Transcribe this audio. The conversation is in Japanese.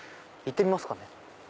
行ってみますかね。